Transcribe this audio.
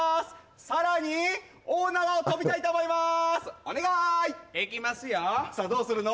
さらに大縄を跳びたいと思いますお願いいきますよさあどうするの？